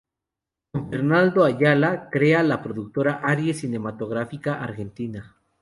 Con Fernando Ayala crea la productora Aries Cinematográfica Argentina.